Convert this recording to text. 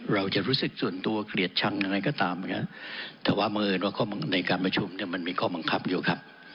เราจะรู้สึกส่วนตัวเกลียดชังอะไรก็ตามนะครับแต่ว่าบังเอิญว่าในการประชุมเนี่ยมันมีข้อบังคับอยู่ครับ